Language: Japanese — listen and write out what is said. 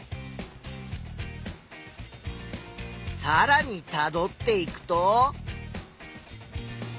さらにたどっていくと？